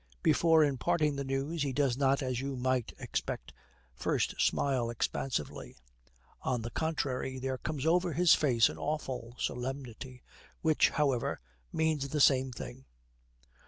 Before imparting the news he does not, as you might expect, first smile expansively; on the contrary, there comes over his face an awful solemnity, which, however, means the same thing.